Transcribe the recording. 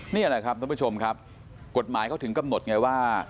นี่แหละครับท่านผู้ชมครับกฎหมายเขาถึงกำหนดไงว่า